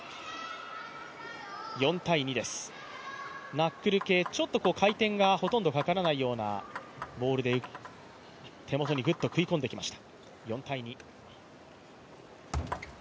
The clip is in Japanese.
ナックル系、回転がほとんどかからないようなボールで手元にグッと食い込んできました。